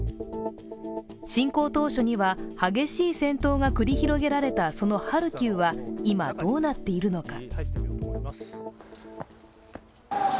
侵攻当初には激しい戦闘が繰り広げられたそのハルキウは今、どうなっているのか。